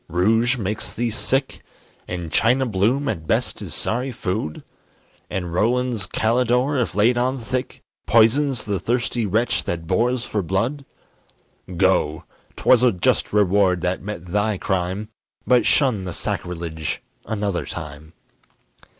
rouge makes thee sick? And China Bloom at best is sorry food? And Rowland's Kalydor, if laid on thick, Poisons the thirsty wretch that bores for blood? Go! 'twas a just reward that met thy crime; But shun the sacrilege another time.